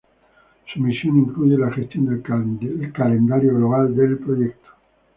Su misión incluye la gestión del calendario global del proyecto.